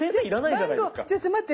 ちょっと待って。